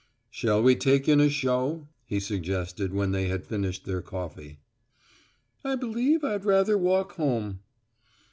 "Shall we take in a show?" he suggested when they had finished their coffee. "I believe I'd rather walk home."